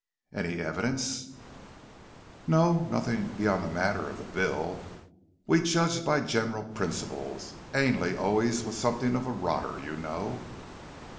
"Any evidence?" "No, nothing beyond that matter of the bill. We judged by general principles. Ainley always was something of a rotter, you know."